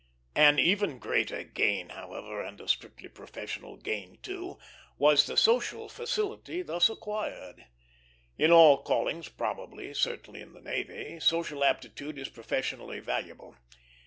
An even greater gain, however and a strictly professional gain, too was the social facility thus acquired. In all callings probably, certainly in the navy, social aptitude is professionally valuable.